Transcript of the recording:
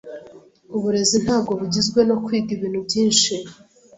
Uburezi ntabwo bugizwe no kwiga ibintu byinshi.